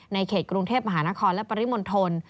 ในเขตกรุงเทพฯมหานครและปริมนธน